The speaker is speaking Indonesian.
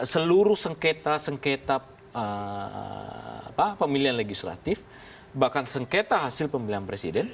seluruh sengketa sengketa pemilihan legislatif bahkan sengketa hasil pemilihan presiden